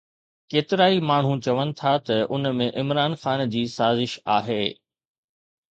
ڪيترائي ماڻهو چون ٿا ته ان ۾ عمران خان جي سازش آهي